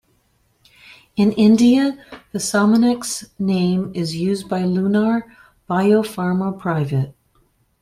In India, the Sominex name is used by Lunar BioPharma Pvt.